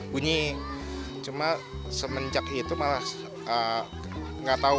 selain itu kerusakan yang terjadi itu juga menyebabkan penyakit